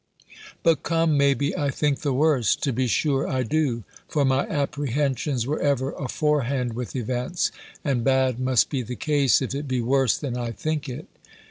But come, may be I think the worst! To be sure I do! For my apprehensions were ever aforehand with events; and bad must be the case, if it be worse than I think it.